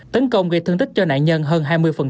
tấn công gây thương tích cho nạn nhân hơn hai mươi